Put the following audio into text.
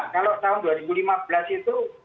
kalau tahun dua ribu lima belas itu